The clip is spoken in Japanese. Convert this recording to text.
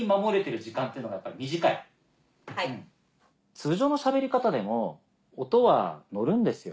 通常のしゃべり方でも音は乗るんですよ